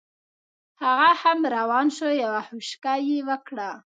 هغه هم روان شو یوه خوشکه یې وکړه.